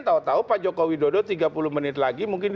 tahu tahu pak joko widodo tiga puluh menit lagi mungkin